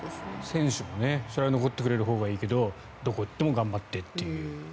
選手も、それは残ってくれるほうがいいけどどこへ行っても頑張ってという。